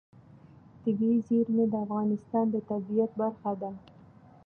طبیعي زیرمې د افغانستان د طبیعت برخه ده.